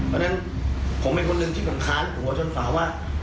เพราะฉะนั้นผมเป็นคนหนึ่งที่ผมค้านหัวจนฝาว่า